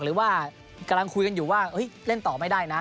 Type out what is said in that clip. หรือว่ากำลังคุยกันอยู่ว่าเล่นต่อไม่ได้นะ